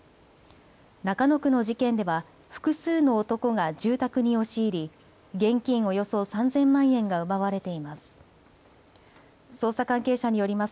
中野区の事件では複数の男が住宅に押し入り現金およそ３０００万円が奪われています。